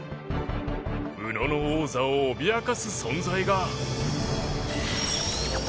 宇野の王座を脅かす存在が。